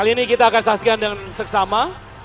kali ini kita akan saksikan dengan seksama